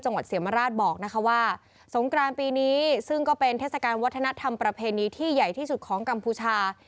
เสียมราชบอกนะคะว่าสงกรานปีนี้ซึ่งก็เป็นเทศกาลวัฒนธรรมประเพณีที่ใหญ่ที่สุดของกัมพูชา